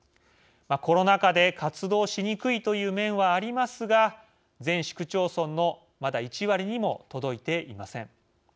コロナ禍で活動しにくいという面はありますが全市区町村のまだ１割にも届いていません。